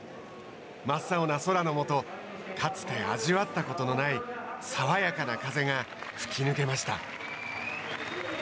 真っ青な空のもとかつて味わったことのない爽やかな風が吹き抜けました。